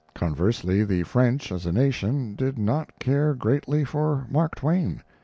Conversely, the French as a nation did not care greatly for Mark Twain.